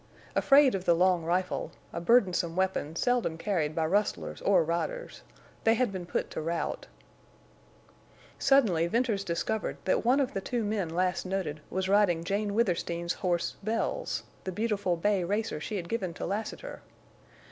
Afraid of the long rifle—a burdensome weapon seldom carried by rustlers or riders—they had been put to rout. Suddenly Venters discovered that one of the two men last noted was riding Jane Withersteen's horse Bells—the beautiful bay racer she had given to Lassiter.